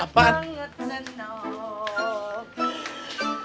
banget banget senang